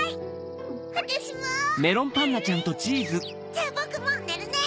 じゃあぼくもうねるね。